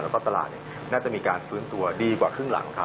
แล้วก็ตลาดน่าจะมีการฟื้นตัวดีกว่าครึ่งหลังครับ